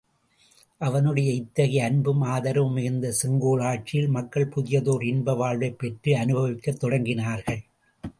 அவனுடைய இத்தகைய அன்பும் ஆதரவும் மிகுந்த செங்கோலாட்சியில் மக்கள் புதியதோர் இன்ப வாழ்வைப் பெற்று அனுபவிக்கத் தொடங்கினார்கள்.